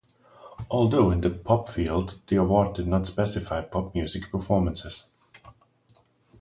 Although in the "pop" field the award did not specify pop music performances.